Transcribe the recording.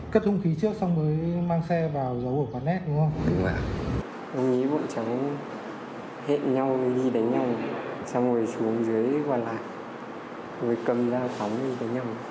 cất hung khí trước xong mới mang xe